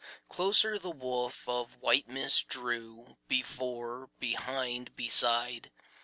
Closer the woof of white mist drew, Before, behind, beside.